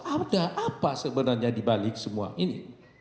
ada apa sebenarnya dibalik semua ini